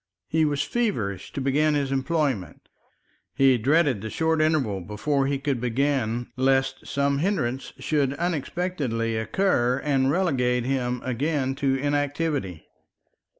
He was feverish to begin his employment. He dreaded the short interval before he could begin, lest some hindrance should unexpectedly occur and relegate him again to inactivity.